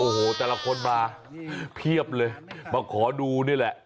โอ้โหแต่ละคนมาเพียบเลยมาขอดูนี่แหละ